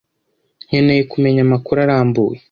Nkeneye kumenya amakuru arambuye.